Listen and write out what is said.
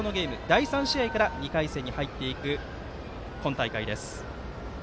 第３試合から２回戦に入っていく今大会です。